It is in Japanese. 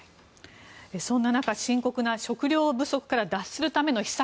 そんな中深刻な食糧不足から脱するための秘策。